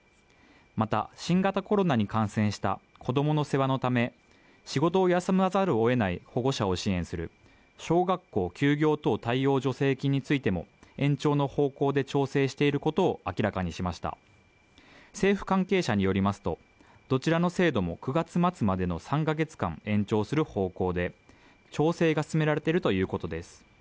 また新型コロナに感染した子どもの世話のため仕事を休まざるを得ない保護者を支援する小学校休業等対応助成金についても延長の方向で調整していることを明らかにしました政府関係者によりますとどちらの制度も９月末までの３か月間延長する方向で調整が進められているということです